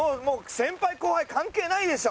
先輩後輩関係ないでしょ。